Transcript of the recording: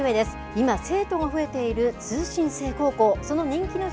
今生徒が増えている通信制高校。